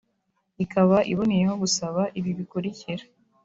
ikaba iboneyeho gusaba ibi bikurikira